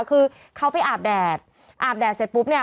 คือเขาไปอาบแดดอาบแดดเสร็จปุ๊บเนี่ย